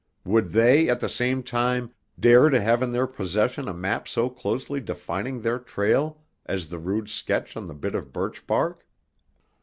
Would they, at the same time, dare to have in their possession a map so closely defining their trail as the rude sketch on the bit of birch bark?